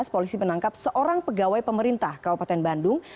polisi menangkap seorang pegawai pemerintah kabupaten bandung